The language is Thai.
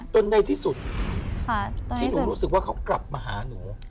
ในที่สุดที่หนูรู้สึกว่าเขากลับมาหาหนู